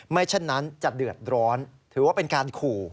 เช่นนั้นจะเดือดร้อนถือว่าเป็นการขู่